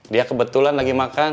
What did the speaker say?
dia kebetulan lagi makan